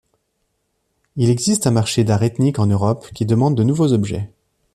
Il existe un marché d’art ethnique en Europe qui demande de nouveaux objets.